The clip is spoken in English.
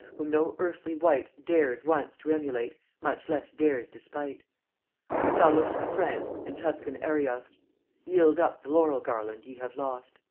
whom no earthly wight Dares once to emulate, much less dares despight. Salust of France and Tuscan Ariost, Yield up the laurel garland ye have lost."